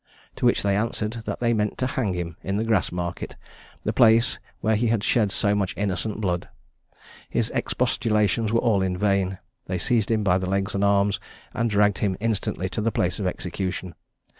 To which they answered, that they meant to hang him in the Grass market, the place where he had shed so much innocent blood. His expostulations were all in vain; they seized him by the legs and arms, and dragged him instantly to the place of execution.